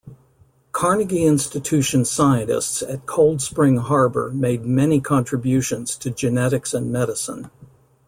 Carnegie Institution scientists at Cold Spring Harbor made many contributions to genetics and medicine.